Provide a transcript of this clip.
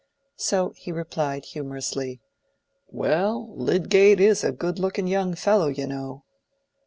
So he replied, humorously— "Well, Lydgate is a good looking young fellow, you know."